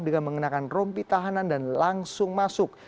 dengan mengenakan rompi tahanan dan langsung masuk